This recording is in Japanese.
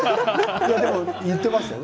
でも言ってましたよ